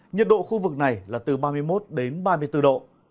nhiệt độ khu vực này là từ ba mươi một đến ba mươi bốn độ